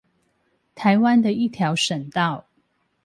臺灣的一條省道